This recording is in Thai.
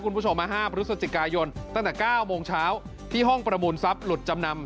คุณผู้ชมมา๕พฤศจิกายนตั้งแต่๙โมงเช้าที่ห้องประมูลทรัพย์หลุดจำนำ